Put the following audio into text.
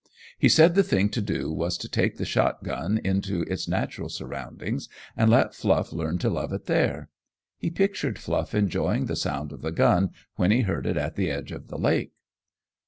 He said the thing to do was to take the shotgun into its natural surroundings and let Fluff learn to love it there. He pictured Fluff enjoying the sound of the gun when he heard it at the edge of the lake.